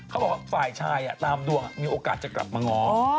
เขาบอกว่าฝ่ายชายตามดวงมีโอกาสจะกลับมาง้อ